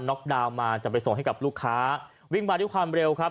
็อกดาวน์มาจะไปส่งให้กับลูกค้าวิ่งมาด้วยความเร็วครับ